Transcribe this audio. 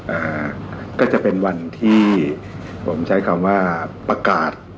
อ่าก็จะเป็นวันที่ผมใช้คำว่าประกาศ